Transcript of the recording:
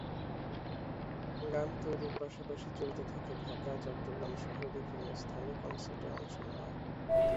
গান তৈরির পাশাপাশি চলতে থাকে ঢাকা, চট্টগ্রামসহ বিভিন্ন স্থানে কনসার্টে অংশ নেওয়া।